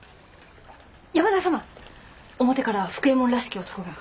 山田様表から福右衛門らしき男が。